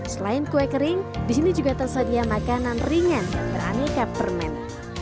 selain kue kering di sini juga tersedia makanan ringan dan beraneka permen